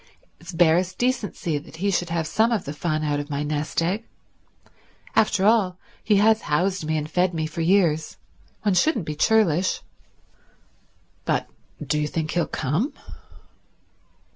It's barest decency that he should have some of the fun out of my nest egg. After all, he has housed me and fed me for years. One shouldn't be churlish." "But—do you think he'll come?